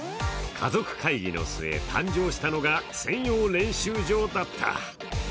家族会議の末誕生したのが専用練習場だった。